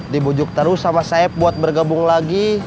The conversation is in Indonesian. dibujuk terus sama sayap buat bergabung lagi